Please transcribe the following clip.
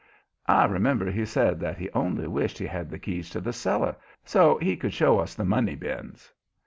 I remember he said that he only wished he had the keys to the cellar so he could show us the money bins.